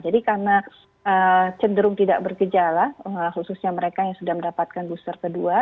jadi karena cenderung tidak bergejala khususnya mereka yang sudah mendapatkan booster kedua